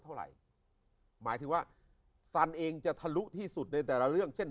หมายหมายถึงว่าสันเองจะทะลุที่สุดในแต่ละเรื่องเช่น